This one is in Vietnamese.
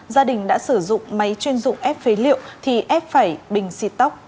gia đình đã sử dụng máy chuyên dụng ép phế liệu thì ép phải bình xịt tóc